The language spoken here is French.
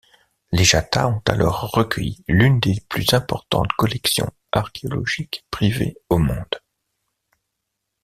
Les Jatta ont alors recueilli l’une des plus importantes collections archéologiques privées au monde.